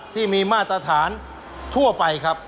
ที่มีมาตรฐานทั่วไป